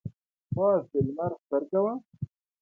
پاس د لمر سترګه وه.